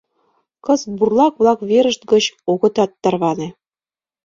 Кызыт бурлак-влак верышт гыч огытат тарване.